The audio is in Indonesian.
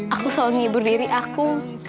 aku selalu ngibur diri aku